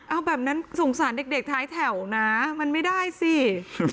เอาแบบนั้นสงสารเด็กท้ายแถวนะมันไม่ได้สิ